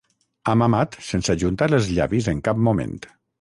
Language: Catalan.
Ha mamat sense ajuntar els llavis en cap moment.